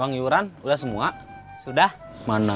hai uang yuran udah semua sudah mana